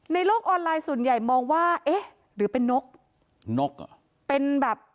ในโลกออนไลน์สุดใหญ่มองว่านกอ่ะเป็นแบบ